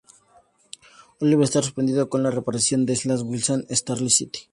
Oliver está sorprendido con la reaparición de Slade Wilson en Starling City.